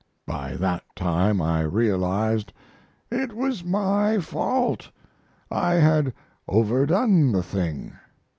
By that time I realized it was my fault. I had overdone the thing.